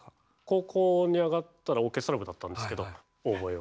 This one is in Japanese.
高校に上がったらオーケストラ部だったんですけどオーボエを。